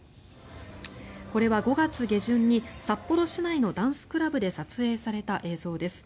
これは５月下旬に札幌市内のダンスクラブで撮影された映像です。